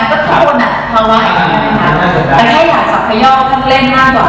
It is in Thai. แต่ถ้าอยากสักขย้อมถ้าเล่นมากกว่า